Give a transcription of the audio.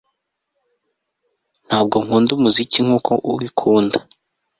Ntabwo nkunda umuziki nkuko ubikunda